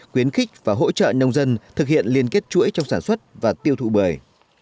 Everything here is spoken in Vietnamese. khuyến khích và hỗ trợ nông dân thực hiện liên kết chuỗi trong sản xuất và tiêu thụ bưởi